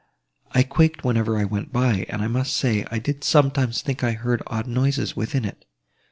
I quaked whenever I went by, and I must say, I did sometimes think I heard odd noises within it.